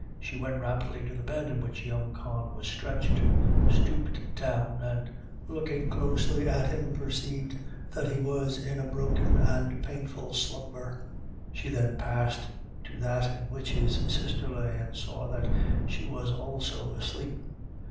She went rapidly to the bed in which young Con was I stretched; stooped down, and looking closely at him, perceived that he was in a broken and painful slumber. She then passed to that in which his sister lay, and saw that she was also asleep.